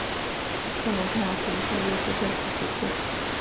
克隆泰尔湖是瑞士最老的水库。